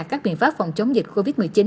các biện pháp phòng chống dịch covid một mươi chín